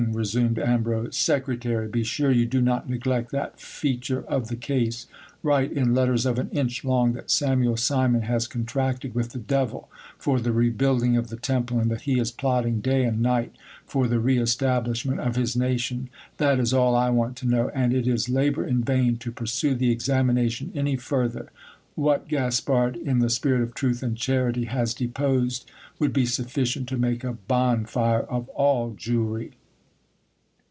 resumed Ambrose. Secretary ! be sure you do not neglect that feature of the case. Write, in letters of an inch long, that Samuel Simon has contracted with the devil for the rebuilding of the temple, and that he is plotting day and night for the re establishment of his nation. That is all I want to know ; and it is labour in vain to pursue the examination any further. What Gaspard, in the spirit of truth and charity, has deposed, would be sufficient to make a bonfire of all Jewry.